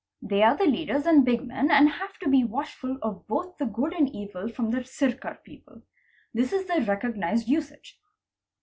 They are the leaders and big men and have to be —: watchful of both the good and evil from the Sircar people. This is the ¥ recognized usage.